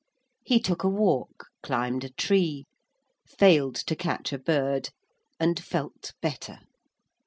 He took a walk, climbed a tree, failed to catch a bird, and felt better.